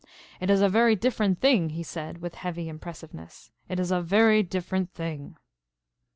"It is a very different thing," he said with heavy impressiveness. "It is a very different thing."